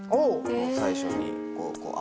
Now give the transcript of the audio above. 最初に「あ！」